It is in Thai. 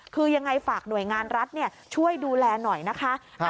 คือยังไงฝากหน่วยงานรัฐช่วยดูแลหน่อยนะคะ